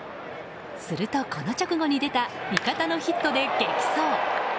すると、この直後に出た味方のヒットで激走。